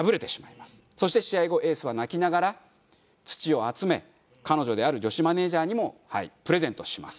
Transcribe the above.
そして試合後エースは泣きながら土を集め彼女である女子マネージャーにもプレゼントします。